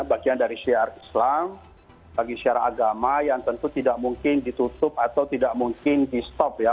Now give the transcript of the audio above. bagian dari syarat islam bagian dari syarat agama yang tentu tidak mungkin ditutup atau tidak mungkin di stop ya